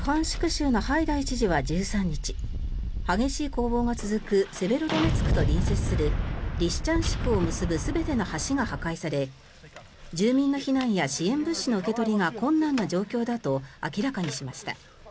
州のハイダイ知事は１３日激しい攻防が続くセベロドネツクと隣接するリシチャンシクを結ぶ全ての橋が破壊され住民の避難や支援物資の受け取りが困難な状況だと明らかにしました。